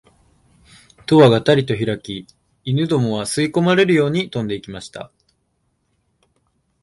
戸はがたりとひらき、犬どもは吸い込まれるように飛んで行きました